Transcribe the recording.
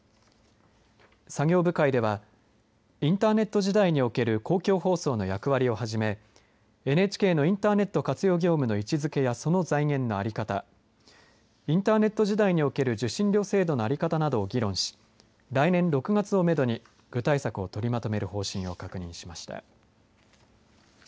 作業部会ではインターネット時代における公共放送の役割をはじめＮＨＫのインターネット活用業務の位置づけやその財源の在り方インターネット時代における受信料制度の在り方などを議論し来年６月をめどに具体策を取りまとめる方針を確認しました。